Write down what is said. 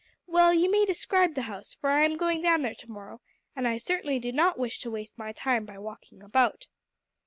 "Well, you may describe the house, for I am going down there to morrow, and I certainly do not wish to waste my time walking about."